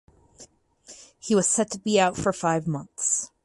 He was set to be out for five months.